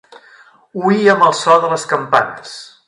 Oíem el so de les campanes.